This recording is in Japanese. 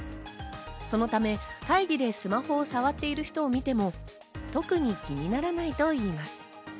そのため会議でスマホを触っている人を見ても特に気にならないといいます。